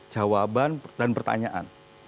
jawaban dan pertanyaan